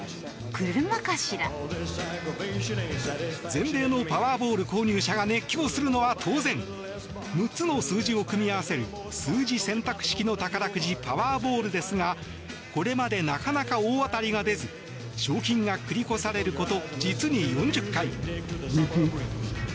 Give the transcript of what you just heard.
全米のパワーボール購入者が熱狂するのは当然６つの数字を組み合わせる数字選択式の宝くじパワーボールですがこれまでなかなか大当たりが出ず賞金が繰り越されること実に４０回。